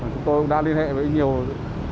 chúng tôi đã liên hệ với nhiều đơn vị khu